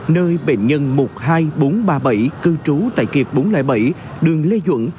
nơi bệnh nhân một mươi hai nghìn bốn trăm ba mươi bảy cư trú tại kiệp bốn trăm linh bảy đường lê duẩn